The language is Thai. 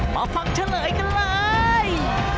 มาฟังเฉลยกันเลย